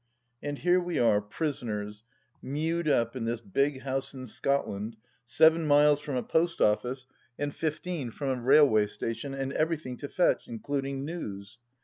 And here we are, prisoners, mewed up in this big house in Scotland, seven miles from a post office and fifteen from a railway station, and everything to fetch, including news.